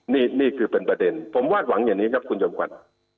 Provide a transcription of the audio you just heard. นี่คือเป็นประเด็นผมวาดหวังอย่างนี้ครับคุณจอมขวัญ